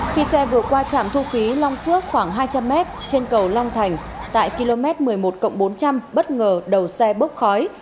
khi xe vừa qua trạm thu khí long phước khoảng hai trăm linh m trên cầu long thành tại km một mươi một bốn trăm linh bất ngờ đầu xe bốc khói